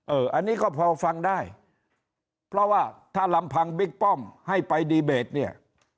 อันนี้ก็พอฟังได้เพราะว่าถ้าลำพังบิ๊กป้อมให้ไปดีเบตเนี่ย